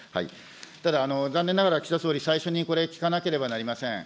ただ、残念ながら岸田総理、最初にこれ、聞かなければなりません。